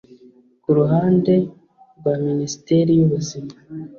Ku ruhande rwa Minisiteri y’Ubuzima